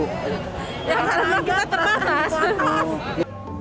ya karena kita terbang